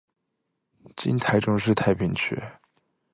今台中市太平区。